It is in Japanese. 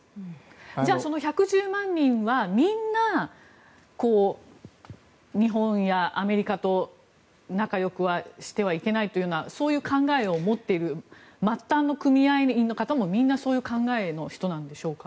じゃあその１１０万人はみんな、日本やアメリカと仲よくしてはいけないというそういう考えを持っている末端の組合員の方もみんなそういう考え方の人なんでしょうか。